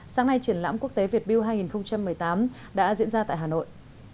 sáng nay triển lãm quốc tế việt build hai nghìn một mươi tám đã diễn ra tại hà nội